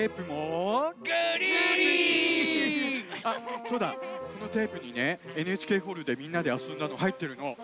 あっそうだこのテープにねＮＨＫホールでみんなであそんだのはいってるの。